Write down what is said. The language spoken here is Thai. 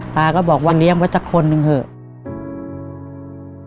ตาก็บอกว่าเลี้ยงไว้สักคนหนึ่งเถอะ